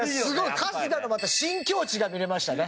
春日のまた新境地が見れましたね。